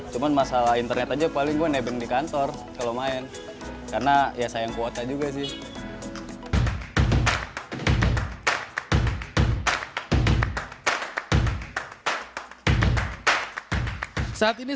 cuma masalah internet aja paling gue nebeng di kantor kalau main